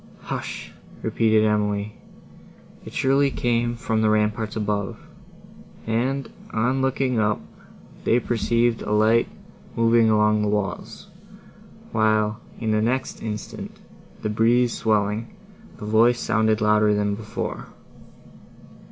"Hush!" repeated Emily. "It surely came from the ramparts above:" and, on looking up, they perceived a light moving along the walls, while, in the next instant, the breeze swelling, the voice sounded louder than before.